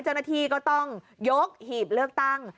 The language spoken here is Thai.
เจ้าหน้าที่ก็ต้องยกหีบเลือกตั้ง